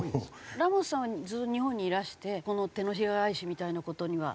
ラモスさんはずっと日本にいらしてこの手のひら返しみたいな事には。